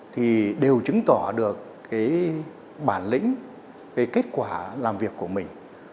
thì đều chứng tỏ được cái bản lĩnh cái kết quả làm việc của mình